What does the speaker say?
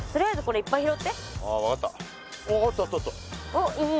おっいいね。